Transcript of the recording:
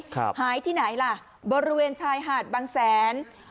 หายที่ไหนล่ะบริเวณชายหาดบางแสน